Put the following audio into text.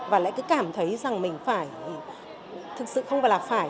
và lại cứ cảm thấy rằng mình phải thực sự không phải là phải